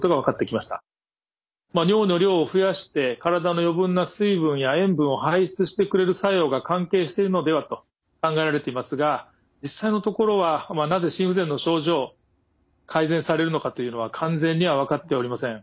まあ尿の量を増やして体の余分な水分や塩分を排出してくれる作用が関係しているのではと考えられていますが実際のところはなぜ心不全の症状改善されるのかというのは完全には分かっておりません。